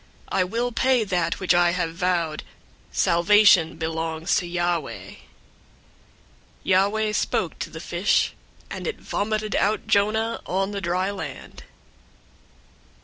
I will pay that which I have vowed. Salvation belongs to Yahweh." 002:010 Yahweh spoke to the fish, and it vomited out Jonah on the dry land.